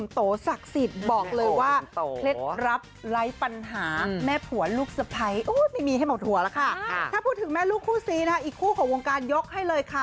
ถ้าพูดถึงแม่ลูกคู่ซีนะคะอีกคู่ของวงการยกให้เลยค่ะ